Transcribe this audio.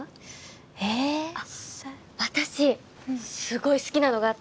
私すごい好きなのがあって。